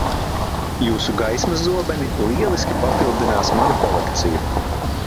Jūsu gaismas zobeni lieliski papildinās manu kolekciju.